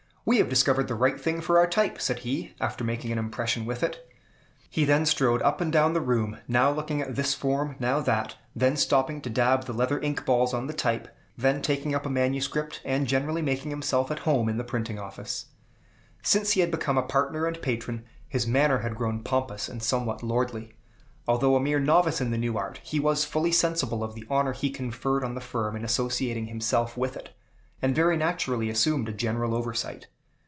"We have discovered the right thing for our type!" said he, after making an impression with it. He then strode up and down the room, now looking at this form, now that, then stopping to dab the leather ink balls on the type, then taking up a manuscript, and generally making himself at home in the printing office. Since he had become a partner and patron, his manner had grown pompous and somewhat lordly. Although a mere novice in the new art, he was fully sensible of the honor he conferred on the firm in associating himself with it, and very naturally assumed a general oversight.